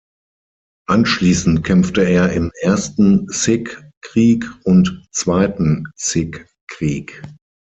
Anschließend kämpfte er im Ersten Sikh-Krieg und Zweiten Sikh-Krieg.